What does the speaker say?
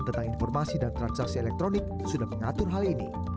tentang informasi dan transaksi elektronik sudah mengatur hal ini